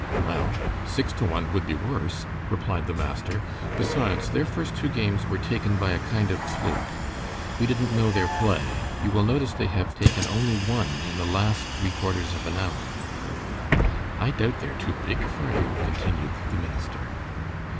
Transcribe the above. "Well, six to one would be worse," replied the master. "Besides, their first two games were taken by a kind of fluke. We didn't know their play. You will notice they have taken only one in the last three quarters of an hour." "I doubt they are too big for you," continued the minister.